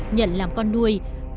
nhận làm con nuôi